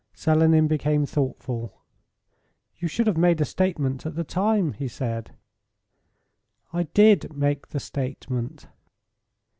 Selenin became thoughtful. "You should have made a statement at the time," he said. "I did make the statement."